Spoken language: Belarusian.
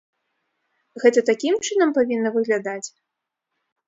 Гэта такім чынам павінна выглядаць?